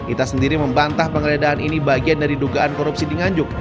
ita sendiri membantah penggeledahan ini bagian dari dugaan korupsi di nganjuk